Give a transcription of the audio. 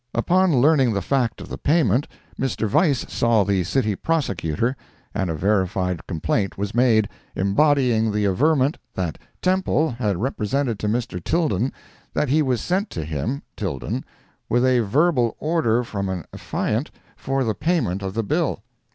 Upon learning the fact of the payment, Mr. Vice saw the city prosecutor, and a verified complaint was made, embodying the averment that Temple had represented to Mr. Tilden that he was sent to him (Tilden) with a verbal order from affiant for the payment of the bill.